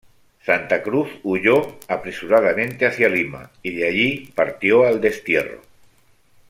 Santa Cruz huyó apresuradamente hacia Lima y de allí partió al destierro.